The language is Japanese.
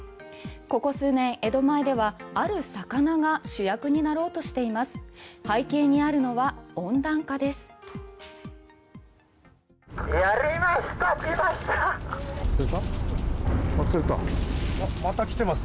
ここ数年、江戸前ではある魚が主役になろうとしています。